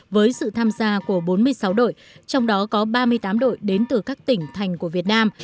với sự tham gia của bốn mươi sáu đội trong đó có ba mươi tám đội đến từ các tỉnh thành của việt nam